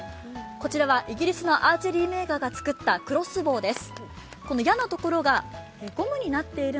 こちらはイギリスのアーチェリーメーカーが作ったクロスボウです。